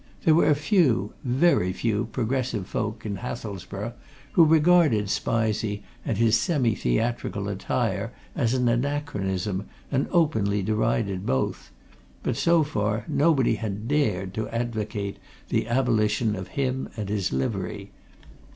There were a few very few progressive folk in Hathelsborough who regarded Spizey and his semi theatrical attire as an anachronism, and openly derided both, but so far nobody had dared to advocate the abolition of him and his livery.